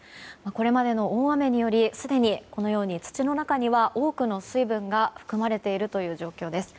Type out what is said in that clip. これまでの大雨によりすでにこのように土の中には多くの水分が含まれているという状況です。